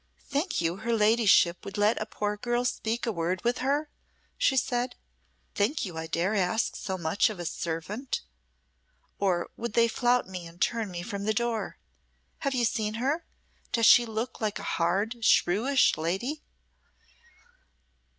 "Think you her ladyship would let a poor girl speak a word with her?" she said. "Think you I dare ask so much of a servant or would they flout me and turn me from the door? Have you seen her? Does she look like a hard, shrewish lady?"